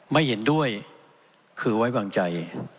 ไม่เห็นด้วยคือไว้วางใจ